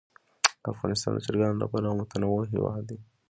افغانستان د چرګانو له پلوه متنوع هېواد دی.